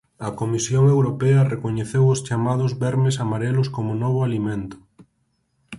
A Comisión Europea recoñeceu os chamados vermes amarelos como novo alimento.